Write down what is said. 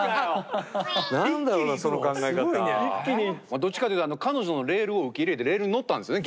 どっちかというと彼女のレールを受け入れてレールに乗ったんですね